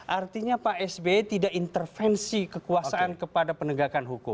artinya pak sby tidak intervensi kekuasaan kepada penegakan hukum